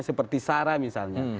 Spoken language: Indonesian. seperti sara misalnya